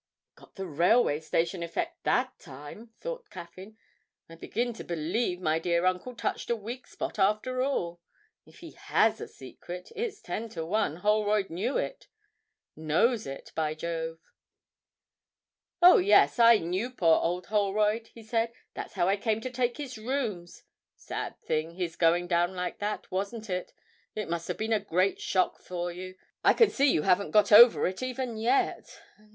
('Got the Railway Station effect that time!' thought Caffyn. 'I begin to believe my dear uncle touched a weak spot after all. If he has a secret, it's ten to one Holroyd knew it knows it, by Jove!') 'Oh, yes, I knew poor old Holroyd,' he said; 'that's how I came to take his rooms. Sad thing, his going down like that, wasn't it? It must have been a great shock for you I can see you haven't got over it even yet.'